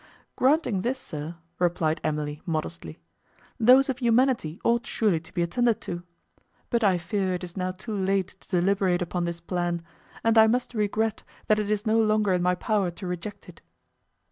"Granting this, sir," replied Emily, modestly, "those of humanity ought surely to be attended to. But I fear it is now too late to deliberate upon this plan, and I must regret, that it is no longer in my power to reject it."